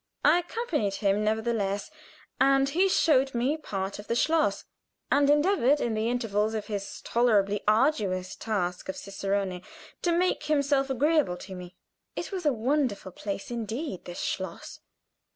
I accompanied him, nevertheless, and he showed me part of the schloss, and endeavored in the intervals of his tolerably arduous task of cicerone to make himself agreeable to me. It was a wonderful place indeed this schloss.